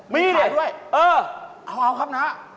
มีเรื่องเหรอเอาครับนะขายด้วย